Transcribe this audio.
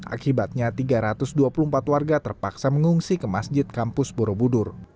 akibatnya tiga ratus dua puluh empat warga terpaksa mengungsi ke masjid kampus borobudur